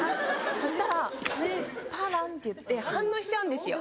そしたらタランっていって反応しちゃうんですよ。